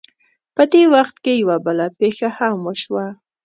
په دې وخت کې یوه بله پېښه هم وشوه.